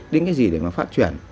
đến cái gì để mà phát triển